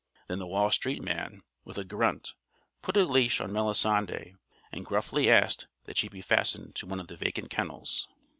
Then the Wall Street Man, with a grunt, put a leash on Melisande and gruffly asked that she be fastened to one of the vacant kennels.